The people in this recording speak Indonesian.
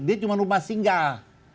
dia cuma rumah singgah